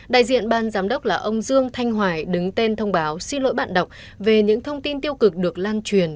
đại diện ban giám đốc là ông dương thanh hoài đứng tên thông báo xin lỗi bạn đọc về những thông tin tiêu cực được lan truyền